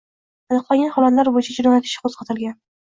Aniqlangan holatlar bo‘yicha jinoyat ishi qo‘zg‘atilgan